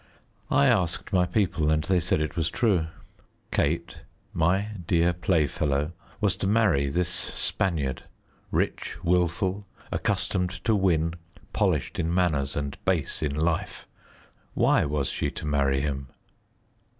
I asked my people, and they said it was true. Kate, my dear playfellow, was to marry this Spaniard, rich, wilful, accustomed to win, polished in manners and base in life. Why was she to marry him?